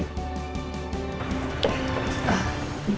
bisa keluar ya